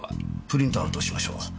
プリントアウトしましょう。